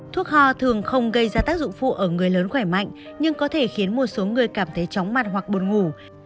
thuốc ho thường không gây ra tác dụng phụ ở người lớn khỏe mạnh nhưng có thể khiến một số người cảm thấy chóng mặt hoặc buồn ngủ